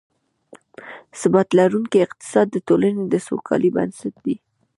ثبات لرونکی اقتصاد، د ټولنې د سوکالۍ بنسټ دی